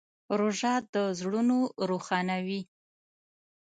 روژه د زړونو روښانوي.